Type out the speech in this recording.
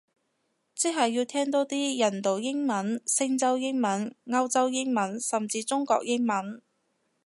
即係要聽多啲印度英文，星洲英文，歐洲英文，甚至中國英文